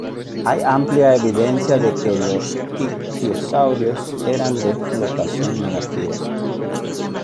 Hay amplia evidencia de que los ictiosaurios eran de flotación negativa.